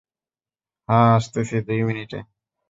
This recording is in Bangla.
হা, আসতেছি, দু মিনিটে।